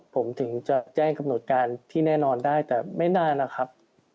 ผมถึงจะแจ้งกำหนดการที่แน่นอนได้แต่ไม่น่านะครับ